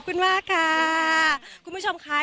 คุณผู้ชมค่ะ